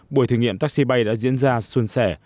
buổi thử nghiệm taxi bay đã diễn ra xuân sẻ